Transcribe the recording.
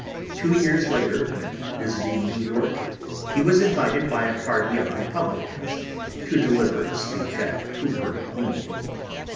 Two years later, when visiting New York, he was invited by a party of Republicans to deliver a speech at Cooper Union.